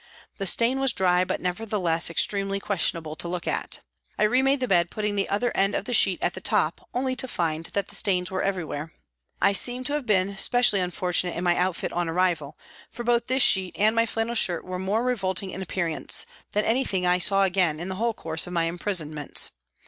The stain was dry, but, nevertheless, extremely objectionable to look at. I remade the bed, putting the other end of the sheet at the top, only to find that the stains were everywhere. I seem to have been specially unfortunate in my outfit on arrival, for both this sheet and my flannel shirt were more revolting in appearance than anything I saw again in the whole course of my imprisonments.